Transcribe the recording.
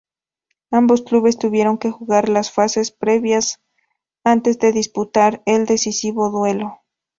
Ambos clubes tuvieron que jugar las fases previas antes de disputar el decisivo duelo.